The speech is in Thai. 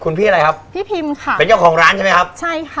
คุณพี่อะไรครับพี่พิมค่ะเป็นเจ้าของร้านใช่ไหมครับใช่ค่ะ